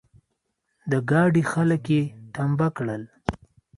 د ګاډي خلګ يې ټمبه کړل.